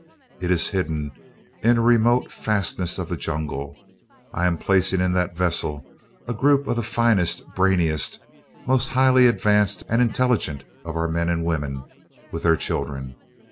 It is hidden in a remote fastness of the jungle. I am placing in that vessel a group of the finest, brainiest, most highly advanced and intelligent of our men and women, with their children.